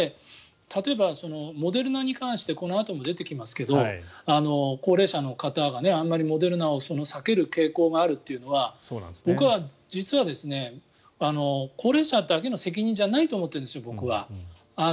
例えばモデルナに関してこのあとも出てきますけど高齢者の方がモデルナを避ける傾向があるというのは僕は実は、高齢者だけの責任じゃないと思っているんですよ。